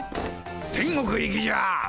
天国行きじゃ。